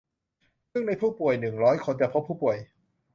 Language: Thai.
ซึ่งในผู้ป่วย หนึ่งร้อย คน จะพบผู้ป่วย